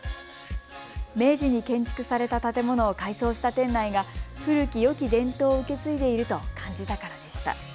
明治に建築された建物を改装した店内が古きよき伝統を受け継いでいると感じたからでした。